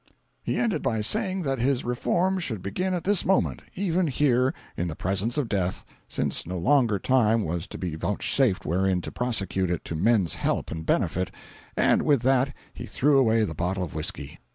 He ended by saying that his reform should begin at this moment, even here in the presence of death, since no longer time was to be vouchsafed wherein to prosecute it to men's help and benefit—and with that he threw away the bottle of whisky.